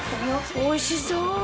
おいしそう！